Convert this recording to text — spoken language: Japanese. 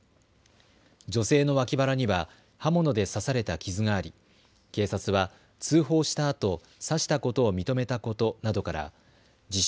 女性の脇腹には刃物で刺された傷があり、警察は通報したあと刺したことを認めたことなどから自称